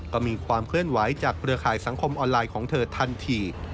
ก็มีความเคลื่อนไหวจากเครือข่ายสังคมออนไลน์ของเธอทันที